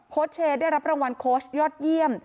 เชย์ได้รับรางวัลโค้ชยอดเยี่ยม